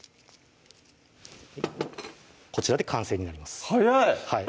こちらで完成になります早い！